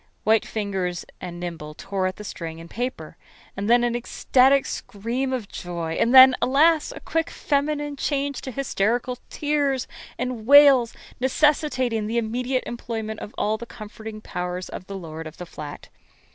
White fingers and nimble tore at the string and paper. And then an ecstatic scream of joy; and then, alas! a quick feminine change to hysterical tears and wails, necessitating the immediate employment of all the comforting powers of the lord of the flat.